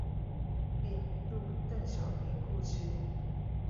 并入邓小平故居。